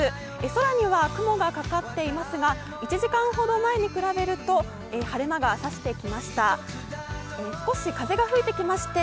空には、雲がかかっていますが１時間ほど前に比べると晴れ間が差してきました。